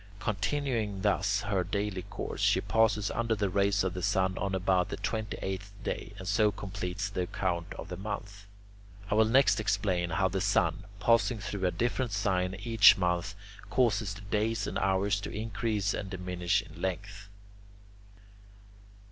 Continuing thus her daily course, she passes under the rays of the sun on about the twenty eighth day, and so completes the account of the month. I will next explain how the sun, passing through a different sign each month, causes the days and hours to increase and diminish in length.